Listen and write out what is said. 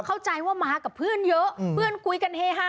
เข้าใจว่ามากับเพื่อนเยอะเพื่อนคุยกันเฮฮา